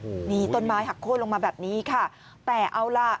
อืมนี่ต้นไม้หักโค้นลงมาแบบนี้ค่ะแต่เอาล่ะ